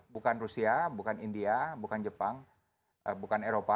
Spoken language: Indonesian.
bukan rusia bukan india bukan jepang bukan eropa